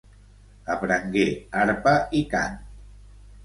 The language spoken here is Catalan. Aprengué arpa i cant.